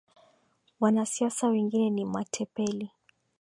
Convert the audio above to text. Wanasiasa wengine ni matepeli